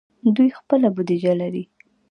دوی خپله بودیجه لري.